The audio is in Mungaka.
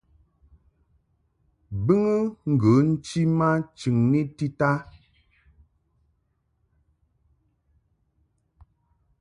Bɨŋɨ ŋgə nchi ma chɨŋni tita.